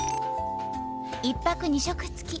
１泊２食付き。